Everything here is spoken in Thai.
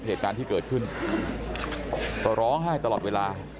เหตุการณ์ที่เกิดขึ้นก็ร้องไห้ตลอดเวลา